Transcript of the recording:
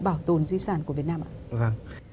bảo tồn di sản của việt nam ạ